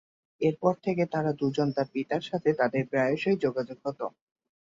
এরপর থেকে তারা দুজন তার পিতার সাথে তাদের প্রায়শই যোগাযোগ হত।